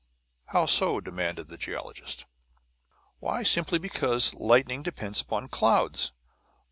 "How so?" demanded the geologist. "Why, simply because lightning depends upon clouds.